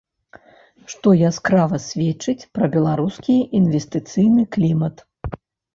Што яскрава сведчыць пра беларускі інвестыцыйны клімат.